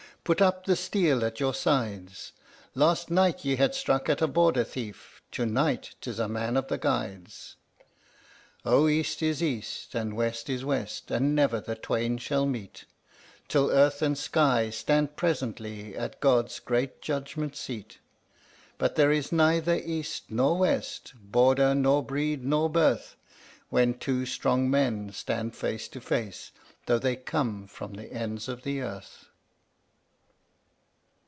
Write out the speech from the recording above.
"Put up the steel at your sides! Last night ye had struck at a Border thief tonight 'tis a man of the Guides!" Oh, East is East, and West is West, and never the twain shall meet, Till Earth and Sky stand presently at God's great Judgment Seat; But there is neither East nor West, Border, nor Breed, nor Birth, When two strong men stand face to face, tho' they come from the ends of the earth!